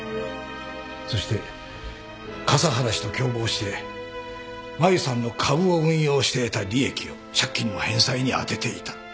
そして笠原氏と共謀してマユさんの株を運用して得た利益を借金の返済に充てていた。